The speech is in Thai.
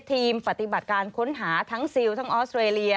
ทีมปฏิบัติการค้นหาทั้งซิลทั้งออสเตรเลีย